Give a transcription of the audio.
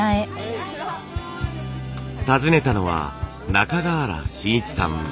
訪ねたのは中川原信一さん